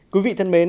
quý vị thân mến